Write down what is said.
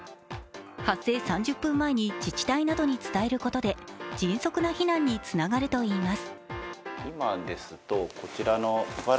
発生３０分前に自治体などに伝えることで迅速な避難につながるといいます。